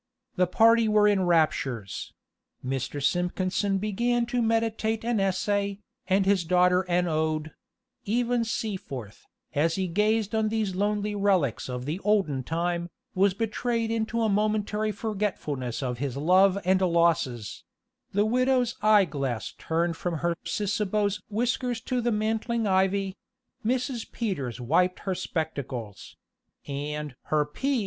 The party were in raptures; Mr. Simpkinson began to meditate an essay, and his daughter an ode: even Seaforth, as he gazed on these lonely relics of the olden time, was betrayed into a momentary forgetfulness of his love and losses; the widow's eye glass turned from her cicisbeo's whiskers to the mantling ivy; Mrs. Peters wiped her spectacles; and "her P."